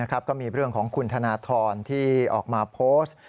ก็มีเรื่องของคุณธนทรที่ออกมาโพสต์